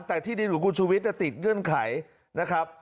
แต่ที่ดินของคุณชูวิทย์ติดเงื่อนไขนะครับ